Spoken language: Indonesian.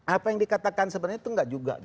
apa yang dikatakan sebenarnya itu enggak juga